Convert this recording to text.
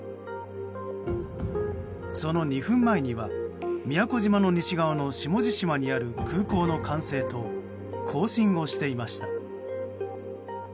その２分前には、宮古島の西側の下地島にある空港の管制と交信をしていました。